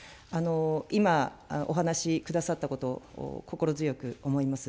今、お話しくださったこと、心強く思います。